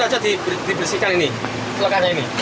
kan baru saja dibersihkan ini selokannya ini